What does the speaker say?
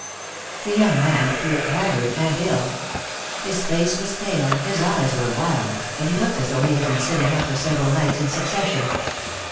The young man appeared haggard and ill. His face was pale, his eyes were wild, and he looked as though he had been sitting up for several nights in succession.